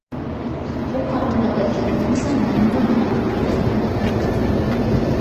بۇ قانۇندا بەلگىلىمە بولمىسا، مەمۇرلار قانۇنىدىكى بەلگىلىمە تەتبىقلىنىدۇ.